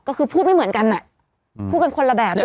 ก็คือพูดไม่เหมือนกันพูดกันคนละแบบเลย